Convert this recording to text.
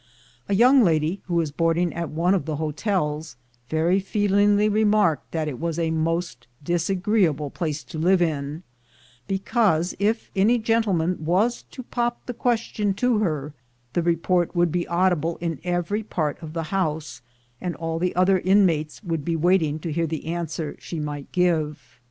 A young lady, who was boarding at one of the hotels, very feelingly remarked that it was a most disagreeable place to live in, because, if any gentleman was to pop the question to her, the report would be audible in every part of the house, and all the other inmates would be waiting to hear the answer she might give.